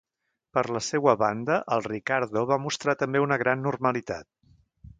Per la seua banda, el Riccardo va mostrar també una gran normalitat.